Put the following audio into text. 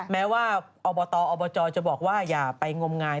แม้ว่าอบตอบจจะบอกว่าอย่าไปงมงาย